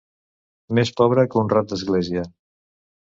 Més pobre que un rat d'església.